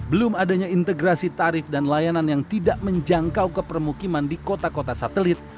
belum adanya integrasi tarif dan layanan yang tidak menjangkau ke permukiman di kota kota satelit